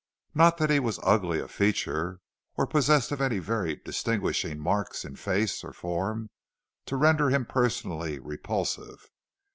Not that he was ugly of feature, or possessed of any very distinguishing marks in face or form to render him personally repulsive.